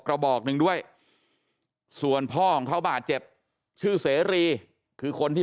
กระบอกหนึ่งด้วยส่วนพ่อของเขาบาดเจ็บชื่อเสรีคือคนที่